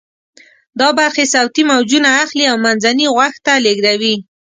دا برخې صوتی موجونه اخلي او منځني غوږ ته لیږدوي.